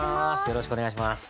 よろしくお願いします。